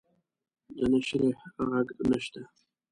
د نشریح ږغ نشته